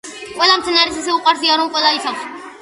ყველა მცენარეს ისე უყვარს ია რომ ყველა იცავს